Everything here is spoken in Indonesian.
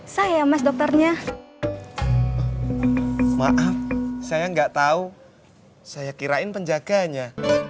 saya mas dokternya maaf saya enggak tahu saya kirain penjaganya